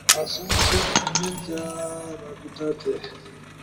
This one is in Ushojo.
آسو ست ای میل جا رابطہ تھے